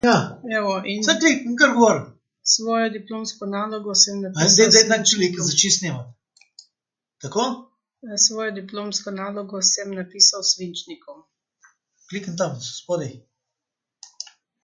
Svojo diplomsko nalogo sem napisal s svinčnikom.